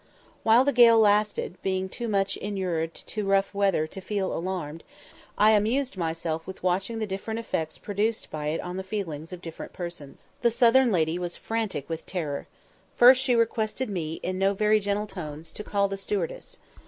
While the gale lasted, being too much inured to rough weather to feel alarmed, I amused myself with watching the different effects produced by it on the feelings of different persons. The Southern lady was frantic with terror. First she requested me, in no very gentle tones, to call the stewardess.